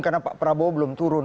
karena pak prabowo belum turun